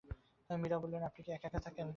মীরা বললেন, আপনি কি একা থাকেন?